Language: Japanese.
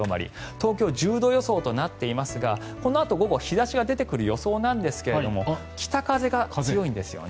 東京、１０度予想となっていますがこのあと、午後日差しは出てくる予想なんですが北風が強いんですね。